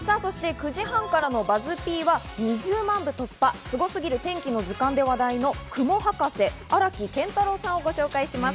９時半からのＢＵＺＺ−Ｐは２０万部突破、『すごすぎる天気の図鑑』で話題の雲博士・荒木健太郎さんをご紹介します。